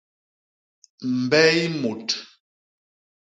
Mbey mut.